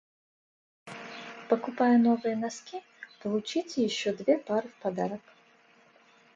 Покупая новые носки, получите ещё две пары в подарок!